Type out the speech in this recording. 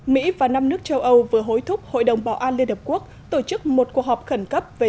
mỹ và năm nước châu âu vừa hối thúc hội đồng bảo an liên hợp quốc tổ chức một cuộc họp khẩn cấp về